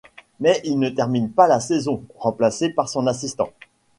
Mais il ne termine pas la saison, remplacé par son assistant.